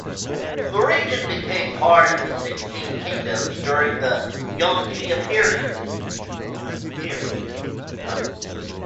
The region became part of the Sixteen Kingdoms during the Yongjia period.